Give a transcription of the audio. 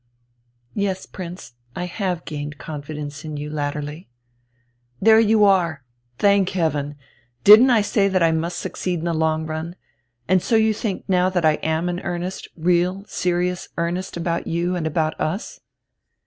"Yes, Prince. I have gained confidence in you latterly." "There you are! Thank heaven! Didn't I say that I must succeed in the long run? And so you think now that I am in earnest, real, serious earnest about you and about us?"